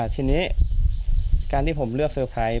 ทีนี้การที่ผมเลือกเซอร์ไพรส์